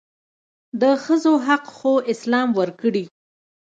دښځو حق خواسلام ورکړي